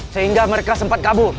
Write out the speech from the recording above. sehingga mereka sempat kabur